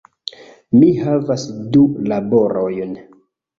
Mi havas du laborojn